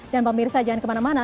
dan pak mirsa jangan kemana mana